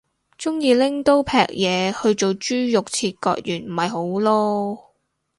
鍾意拎刀劈嘢去做豬肉切割員咪好囉